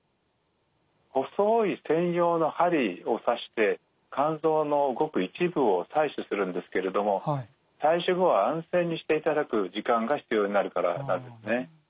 細い専用の針を刺して肝臓のごく一部を採取するんですけれども採取後は安静にしていただく時間が必要になるからなんですね。